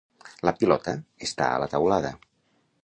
La pilota està a la teulada.